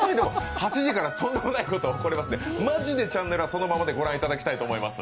８時からとんでもないことが起こりますのでマジでチャンネルはそのままで御覧いただきたいです。